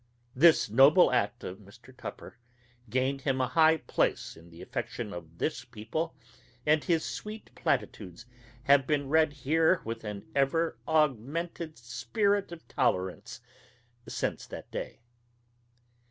This noble act of Mr. Tupper gained him a high place in the affection of this people, and his sweet platitudes have been read here with an ever augmented spirit of tolerance since that day.